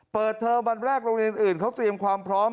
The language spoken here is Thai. เทอมวันแรกโรงเรียนอื่นเขาเตรียมความพร้อม